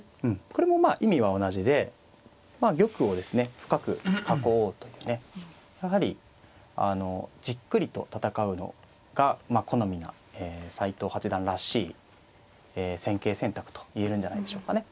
これもまあ意味は同じで玉をですね深く囲おうというねやはりじっくりと戦うのが好みな斎藤八段らしい戦型選択と言えるんじゃないでしょうかね。